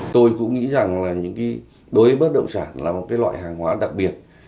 tôi cũng nghĩ rằng đối với bất đồng sản là một loại hàng hóa đặc biệt